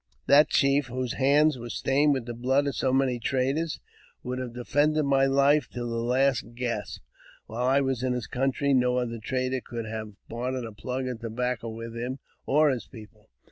That chief, whose hands were stained with the blood of so many traders, would have defended my life till the last gasp. While I was m his country, no other trader could have bartered a plug of tobacco with him or his people.